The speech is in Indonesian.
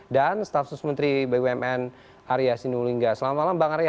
dan stafsus menteri bumn arya sinulingga selamat malam bang arya